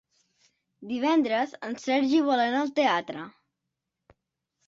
Divendres en Sergi vol anar al teatre.